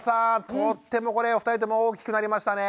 とってもこれお二人とも大きくなりましたね。